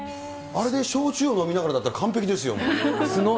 あれで焼酎を飲みながらだったら、完璧ですよ、もう。